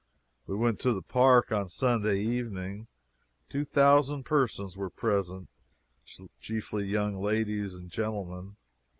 We went to the park on Sunday evening. Two thousand persons were present, chiefly young ladies and gentlemen.